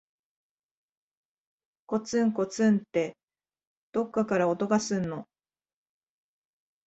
こつんこつんって、どっかから音がすんの。